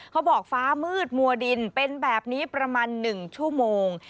ฟ้ามืดมัวดินเป็นแบบนี้ประมาณ๑ชั่วโมง